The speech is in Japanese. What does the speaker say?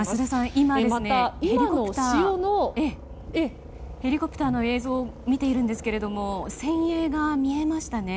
今、ヘリコプターの映像を見ているんですが船影が見えましたね。